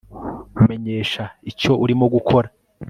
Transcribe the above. menyesha icyo urimo gukora